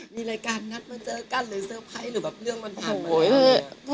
มีรายการนัดมาเจอกันหรือเซอร์ไพรส์หรือแบบเรื่องมันผ่านมาเยอะ